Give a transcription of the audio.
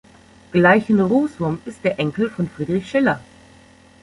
Gleichen-Rußwurm ist der Enkel von Friedrich Schiller.